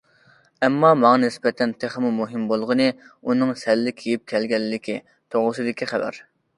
ئەمما ماڭا نىسبەتەن تېخىمۇ مۇھىم بولغىنى، ئۇنىڭ سەللە كىيىپ كەلگەنلىكى توغرىسىدىكى خەۋەر.